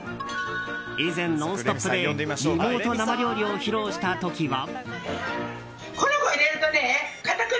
以前、「ノンストップ！」でリモート生料理を披露した時は。